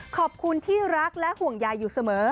ขอบคุณที่รักและห่วงยายอยู่เสมอ